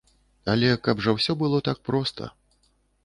Але каб жа ўсё было так проста.